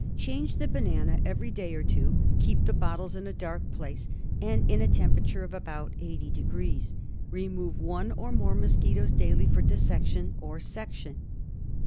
Change the banana every day or two. Keep the bottles in a dark place and in a temperature of about 80° Fahr, Remove one or more mosquitoes daily for dissection or section.